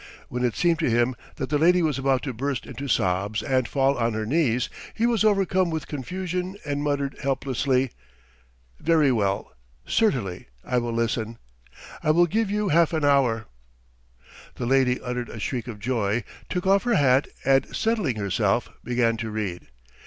When it seemed to him that the lady was about to burst into sobs and fall on her knees, he was overcome with confusion and muttered helplessly. "Very well; certainly ... I will listen ... I will give you half an hour." The lady uttered a shriek of joy, took off her hat and settling herself, began to read.